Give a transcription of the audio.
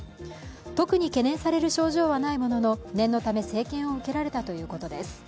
特に懸念される症状はないものの念のため生検を受けられたということです。